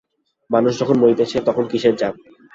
মানুষ যখন মরিতেছে তখন কিসের জাত!